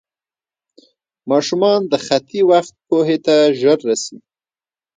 ماشومان د خطي وخت پوهې ته ژر رسي.